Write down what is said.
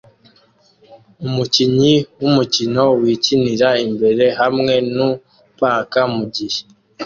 Umukinyi wumukino wikinira imbere hamwe nu paka mugihe